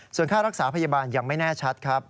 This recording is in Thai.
ส่วนค่ารักษาพยาบาลยังไม่แน่ชัดครับ